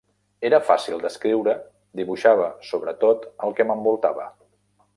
Era fàcil d'escriure, dibuixava sobre tot el que m'envoltava.